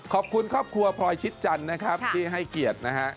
ขอบคุณครอบครัวพลอยชิดจันทร์นะครับที่ให้เกียรตินะฮะ